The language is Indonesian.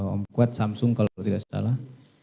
om kuat samsung kalau tidak salah